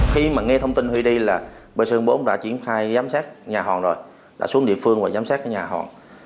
khi mà nghe thông tin huy đi là bộ sơn bốn đã triển khai giám sát nhà hòn rồi đã xuống địa phương và giám sát nhà hòn